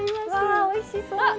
わおいしそうに！